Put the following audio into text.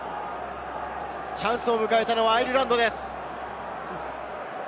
チャンスを迎えたのはアイルランドです。